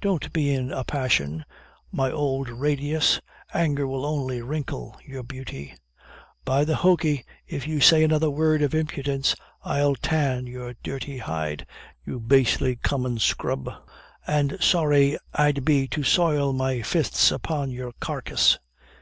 "Don't be in a passion, my old radius anger will only wrinkle your beauty." "By the hokey, if you say another word of impudence I'll tan your dirty hide, you bastely common scrub; and sorry I'd be to soil my fists upon your carcase."